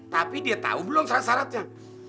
tapi dia tahu belum syarat syaratnya